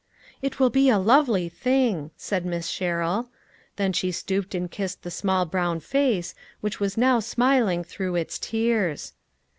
" It will be a lovely thing," said Miss Sherrill. Then she stooped and kissed the small brown face, which was now smiling through its tears.